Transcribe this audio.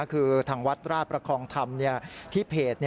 คือทางวัดราชประคองธรรมที่เพจ